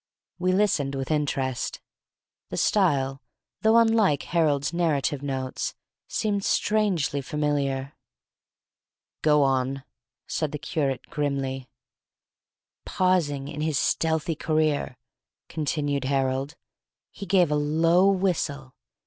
We listened with interest. The style, though unlike Harold's native notes, seemed strangely familiar. "Go on," said the curate, grimly. "Pausing in his stealthy career," continued Harold, "he gave a low whistle.